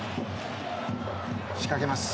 仕掛けます。